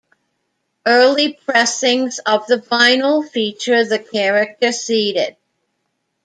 Early pressings of the vinyl feature the character seated.